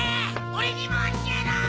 俺にも教えろ！